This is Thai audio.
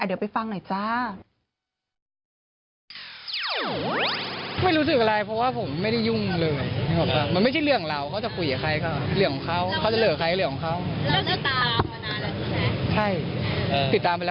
เดี๋ยวไปฟังหน่อยจ้า